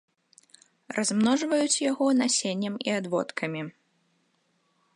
Размножваюць яго насеннем і адводкамі.